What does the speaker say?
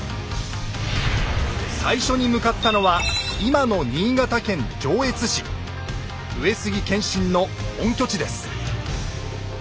最初に向かったのは上杉謙信の本拠地です。